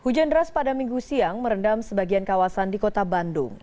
hujan deras pada minggu siang merendam sebagian kawasan di kota bandung